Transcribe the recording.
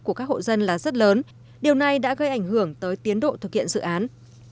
của các hộ dân là rất lớn điều này đã gây ảnh hưởng tới tiến độ thực hiện dự án